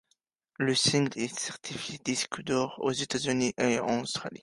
Le single est certifié disque d'or aux États-Unis et en Australie.